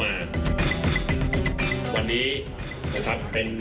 อันดับสุดท้าย